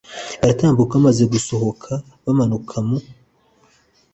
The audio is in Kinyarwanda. baratambuka bamaze gusohoka bamanuka mu